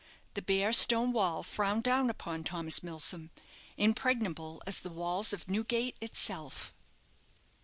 The bare stone wall frowned down upon Thomas Milsom, impregnable as the walls of Newgate itself.